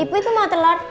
ibu itu mau telur